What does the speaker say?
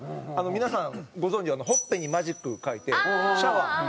皆さんご存じほっぺにマジック書いてシャワー。